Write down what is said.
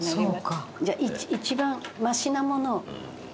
じゃあ一番マシなものを。